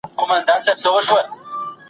ځانته خپل مقام لري